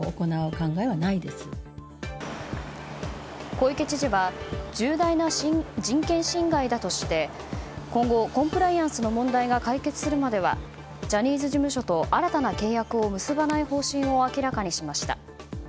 小池知事は重大な人権侵害だとして今後、コンプライアンスの問題が解決するまではジャニーズ事務所と新たな契約を結ばない方針を明らかにしました。